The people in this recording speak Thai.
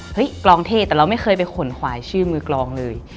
กรองเทศแต่เราไม่เคยไปขนขวายชื่อมือกรองเลย